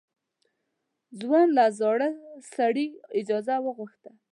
ځوان له زاړه سړي اجازه وغوښته.